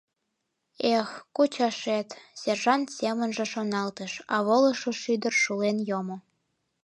«Эх, кучашет!» — сержант семынже шоналтыш, а волышо шӱдыр шулен йомо...